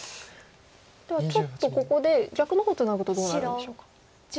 ではちょっとここで逆の方ツナぐとどうなるんでしょうか？